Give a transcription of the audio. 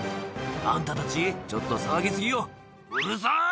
「あんたたちちょっと騒ぎ過ぎようるさい！」